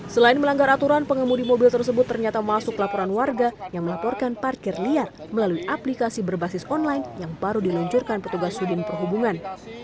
selain melanggar aturan pengemudi mobil tersebut ternyata masuk laporan warga yang melaporkan parkir liar melalui aplikasi berbasis online yang baru diluncurkan petugas sudin perhubungan